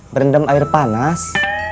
berendam air panas